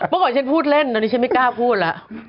เมื่อก่อนฉันพูดเล่นตอนนี้ฉันไม่กล้าพูดแล้ว